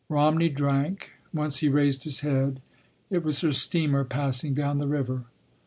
Romney drank. Once he raised his head. It was her steamer passing down the river.